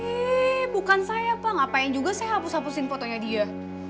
ini bukan saya pak ngapain juga saya hapus hapusin fotonya dia